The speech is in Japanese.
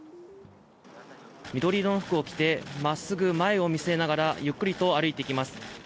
緑色の服を着てまっすぐ前を見据えながらゆっくりと歩いてきます。